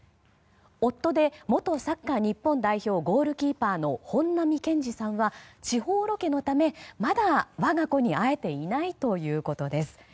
夫で元サッカー日本代表ゴールキーパーの本並健治さんは地方ロケのためまだ我が子に会えていないということです。